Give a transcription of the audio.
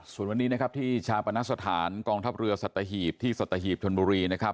ส่วนวันนี้ที่ชาปณสถานกองทัพเรือสัตหีพที่สัตหีพธนบุรี